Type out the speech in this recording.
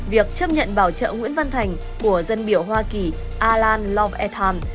việc chấp nhận bảo trợ nguyễn văn thành của dân biểu hoa kỳ alan love ethan